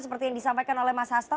seperti yang disampaikan oleh mas hasto